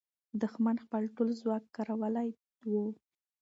دښمن خپل ټول ځواک کارولی وو.